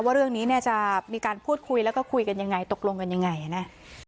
ว่าเรื่องนี้เนี่ยจะมีการพูดคุยแล้วก็คุยกันยังไงตกลงกันยังไงนะ